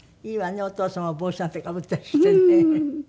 お父様帽子なんてかぶったりしてね。